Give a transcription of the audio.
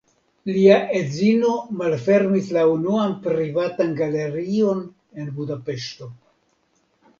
Lia edzino malfermis la unuan privatan galerion en Budapeŝto.